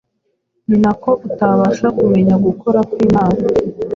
ninako utabasha kumenya gukora kw’imana